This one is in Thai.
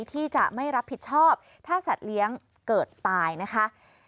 ที่จะไม่รับผิดชอบถ้าสัตว์เลี้ยงเกิดตายนะคะ